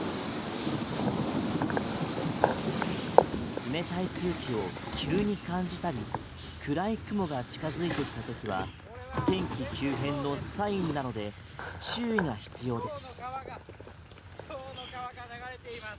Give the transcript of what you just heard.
冷たい空気を急に感じたり暗い雲が近づいてきたときは天気急変のサインなので注意が必要です。